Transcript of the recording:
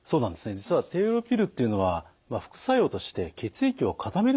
実は低用量ピルっていうのは副作用として血液を固める作用があるんですね。